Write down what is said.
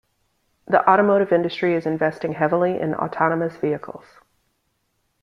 The automotive industry is investing heavily in autonomous vehicles.